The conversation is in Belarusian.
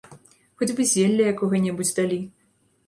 Хоць бы зелля якога-небудзь далі!